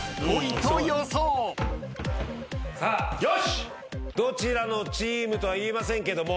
さあどちらのチームとは言いませんけども。